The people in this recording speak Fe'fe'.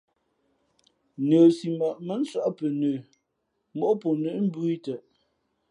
Nəsimα̌ʼ mά nsᾱʼ pαnə móʼ pαnə̌ mbōh ī tαʼ.